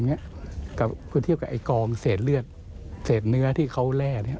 ก็คือเทียบกับไอ้กองเศษเลือดเศษเนื้อที่เขาแร่